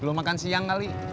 belum makan siang kali